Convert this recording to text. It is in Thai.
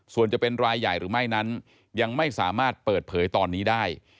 ส่วนจะเป็นรายใหญ่หรือไม่นั้นยังไม่สามารถเปิดเผยตอนนี้ได้